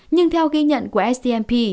nhưng theo ghi nhận của scmp